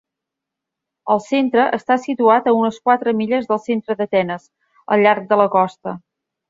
El centre està situat a unes quatre milles del centre d'Atenes, al llarg de la costa.